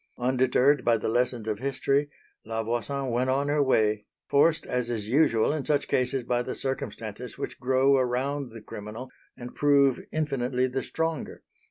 Undeterred by the lessons of history, La Voisin went on her way, forced as is usual in such cases by the circumstances which grow around the criminal and prove infinitely the stronger.